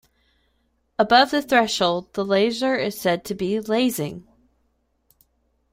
Above the threshold, the laser is said to be "lasing".